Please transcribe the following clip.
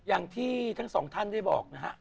อย่างที่ทั้งสองท่านได้บอกนะฮะ